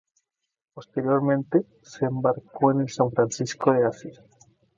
Posteriormente, se embarcó en el San Francisco de Asís.